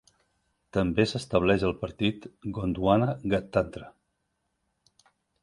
També s'estableix el Partit Gondwana Gadtantra.